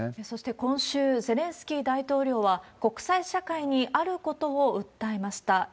そして、今週、ゼレンスキー大統領は、国際社会にあることを訴えました。